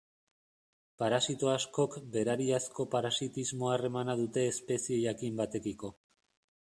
Parasito askok berariazko parasitismo-harremana dute espezie jakin batekiko.